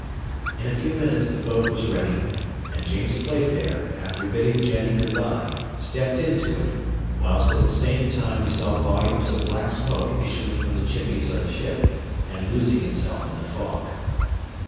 In a few minutes the boat was ready, and James Playfair, after bidding Jenny good bye, stepped into it, whilst at the same time he saw volumes of black smoke issuing from the chimneys of the ship, and losing itself in the fog.